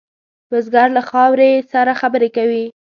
بزګر له خاورې سره خبرې کوي